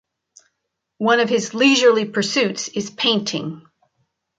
One of his leisurely pursuits is painting.